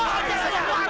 patung begini pak rt